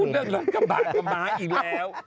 พี่มันพูดเรื่องรถกระบะกับมาอีกแล้ว